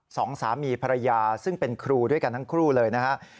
สองสามีภรรยาซึ่งเป็นครูด้วยกันทั้งคู่เลยนะครับ